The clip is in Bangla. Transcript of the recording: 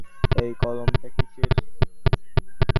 এই কলামটা কীসের?